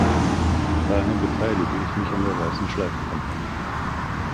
Daher beteilige ich mich an der Weißen-Schleifen-Kampagne.